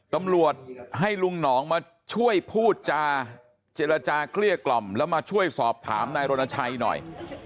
ตำรวจให้ลุงหนองมาช่วยพูดจาเจรจาเกลี้ยกล่อมแล้วมาช่วยสอบถามนายรณชัยหน่อย